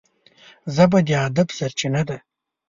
ژبه د ادب سرچینه ده